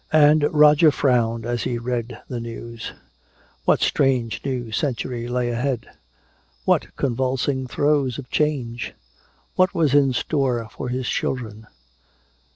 And Roger frowned as he read the news. What strange new century lay ahead? What convulsing throes of change? What was in store for his children?